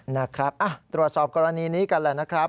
นะครับตรวจสอบกรณีนี้กันแหละนะครับ